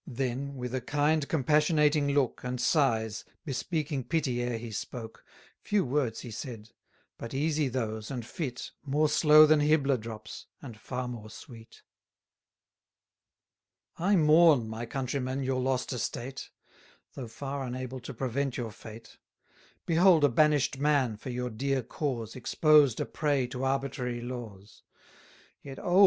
Then, with a kind compassionating look, And sighs, bespeaking pity ere he spoke, Few words he said; but easy those and fit, More slow than Hybla drops, and far more sweet. I mourn, my countrymen, your lost estate; Though far unable to prevent your fate: Behold a banish'd man for your dear cause 700 Exposed a prey to arbitrary laws! Yet oh!